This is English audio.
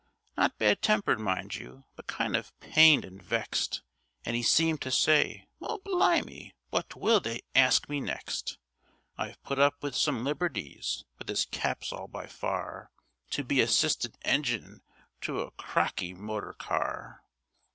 Not bad tempered, mind you, but kind of pained and vexed, And 'e seemed to say, 'Well, bli' me! wot will they ask me next? I've put up with some liberties, but this caps all by far, To be assistant engine to a crocky motor car!